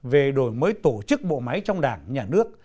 về đổi mới tổ chức bộ máy trong đảng nhà nước